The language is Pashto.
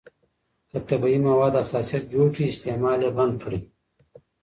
که طبیعي مواد حساسیت جوړ کړي، استعمال یې بند کړئ.